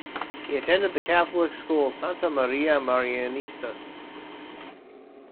He attended the Catholic school Santa Maria Marianistas.